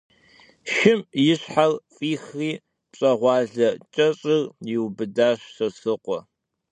Şşum yi şher f'ixri, pş'eğuale ç'eş'ır yiubıdaş Sosrıkhue.